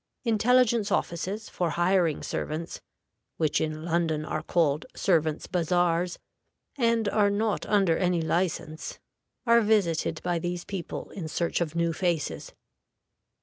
Intelligence offices for hiring servants, which in London are called "Servants' Bazars," and are not under any license, are visited by these people in search of new faces.